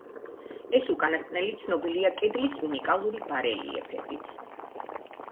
ეს უკანასკნელი ცნობილია კედლის უნიკალური ბარელიეფებით.